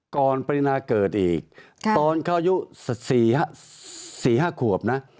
ก่อนปรินาเกิดอีกค่ะตอนเขายุสี่ห้าสี่ห้าขวบนะ